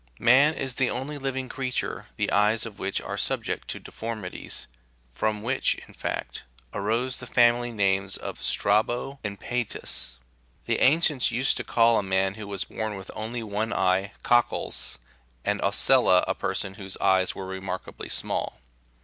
Man is the only living creature the eyes of which are subject to deformities, from which, in fact, arose the family names of " Strabo"1 and "Peetus." 2 The ancients used to call a man who was born with only one eye, " codes," and " ocella," a person whose eyes were remarkably small.